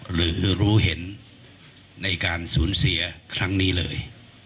หรือรู้เห็นในการสูญเสียครั้งนี้เลย